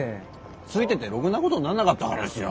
ついてってろくなことになんなかったからですよ。